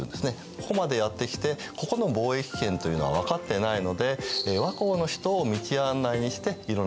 ここまでやって来てここの貿易圏というのは分かってないので倭寇の人を道案内にしていろんな所に行ったんですね。